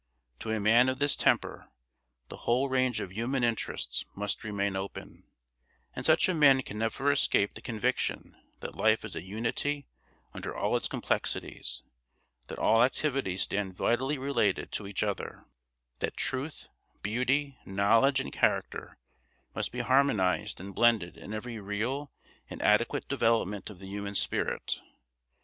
To a man of this temper the whole range of human interests must remain open, and such a man can never escape the conviction that life is a unity under all its complexities; that all activities stand vitally related to each other; that truth, beauty, knowledge, and character must be harmonised and blended in every real and adequate development of the human spirit.